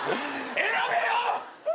選べよ！